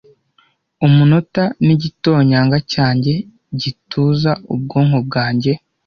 Umunota nigitonyanga cyanjye gituza ubwonko bwanjye,